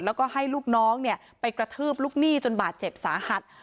แล้วก็ให้ลูกน้องไปกระทืบลูกหนี้จนบาดเจ็บสาหัส